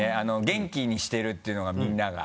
元気にしてるっていうのがみんなが。